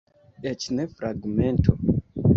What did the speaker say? Eĉ ne fragmento.